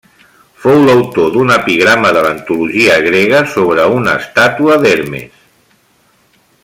Fou l'autor d'un epigrama de l'antologia grega sobre una estàtua d'Hermes.